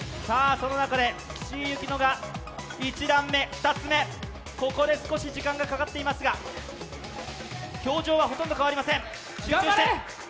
その中で岸井ゆきのが１段目、２つ目、ここで少し時間がかかっていますが表情はほとんど変わりません。